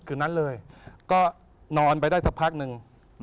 คืนนั้นเลยก็นอนไปได้สักพักหนึ่ง